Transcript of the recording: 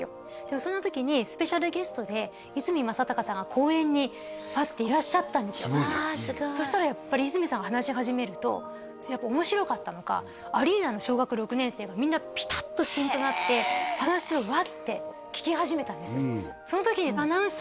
その時にスペシャルゲストで逸見政孝さんが講演にいらっしゃったんですよそしたらやっぱり逸見さんが話し始めると面白かったのかアリーナの小学６年生がみんな話をワッて聞き始めたんですよ